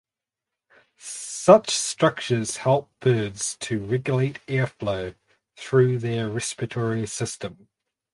Such structures help birds to regulate air flow through their respiratory system.